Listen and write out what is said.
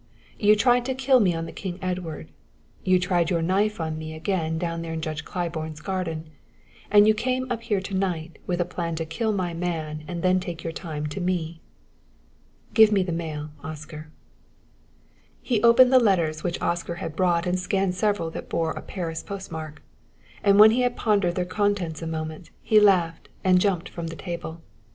You tried to kill me on the King Edward; you tried your knife on me again down there in Judge Claiborne's garden; and you came up here tonight with a plan to kill my man and then take your time to me. Give me the mail, Oscar." He opened the letters which Oscar had brought and scanned several that bore a Paris postmark, and when he had pondered their contents a moment he laughed and jumped from the table.